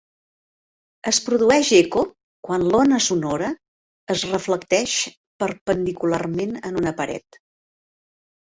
Es produeix eco quan l'ona sonora es reflecteix perpendicularment en una paret.